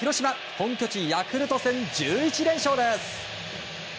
本拠地ヤクルト戦１１連勝です！